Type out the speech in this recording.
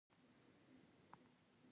نخشې ته يې وکتل.